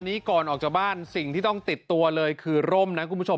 ก่อนออกจากบ้านสิ่งที่ต้องติดตัวเลยคือร่มนะคุณผู้ชม